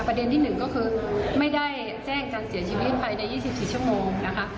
ประเด็นที่๑ก็คือไม่ได้แจ้งการเสียชีวิตภายใน๒๔ชั่วโมงนะคะ